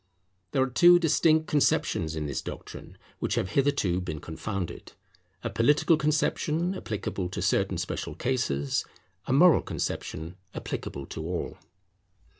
There are two distinct conceptions in this doctrine, which have hitherto been confounded; a political conception applicable to certain special cases; a moral conception applicable to all.